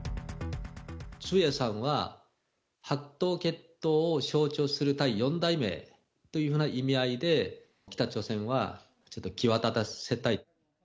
ジュエさんは白頭血統を象徴する第４代目という意味合いで、北朝鮮はちょっと際立たせたい。